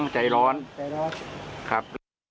ใจร้อนครับ